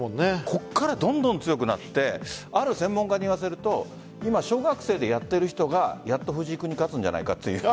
ここからどんどん強くなってある専門家によると小学生でやっている人がやっと藤井君に勝つんじゃないかと。